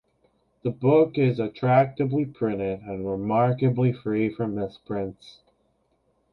The book is attractively printed and remarkably free from misprints.